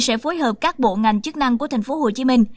sẽ phối hợp các bộ ngành chức năng của thành phố hồ chí minh